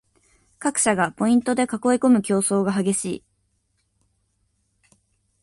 各社がポイントで囲いこむ競争が激しい